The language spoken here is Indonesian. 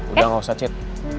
udah gak usah cit